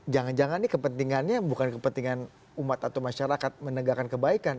jangan jangan ini kepentingannya bukan kepentingan umat atau masyarakat menegakkan kebaikan